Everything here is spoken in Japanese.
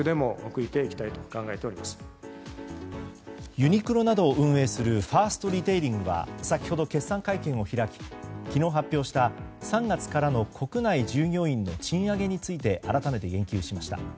ユニクロなどを運営するファーストリテイリングは先ほど決算会見を開き昨日発表した、３月からの国内従業員の賃上げについて改めて言及しました。